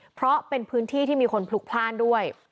เพราะเป็นพื้นที่ที่มีคนพลุกพลาดด้วย